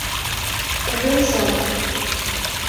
Atenção!